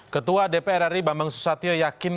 ketua dpr ri bambang susatyo yakin